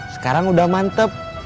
sekarang udah mantep